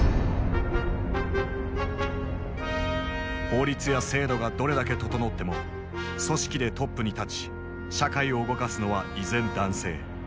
法律や制度がどれだけ整っても組織でトップに立ち社会を動かすのは依然男性。